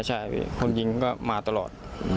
ใช่คนยิงก็มาตลอด